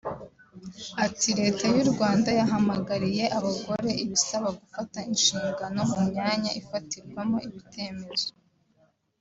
Ati “Leta y’u Rwanda yahamagariye abagore ibasaba gufata inshingano mu myanya ifatirwamo ibtemezo